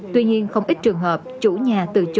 tuy nhiên không ít trường hợp chủ nhà từ chỗ